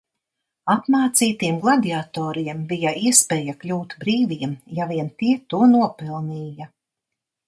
Apmācītiem gladiatoriem bija iespēja kļūt brīviem, ja vien tie to nopelnīja.